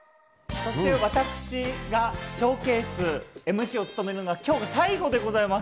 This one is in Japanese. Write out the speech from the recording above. そして私がＳＨＯＷＣＡＳＥのＭＣを務めるのは今日が最後でございます。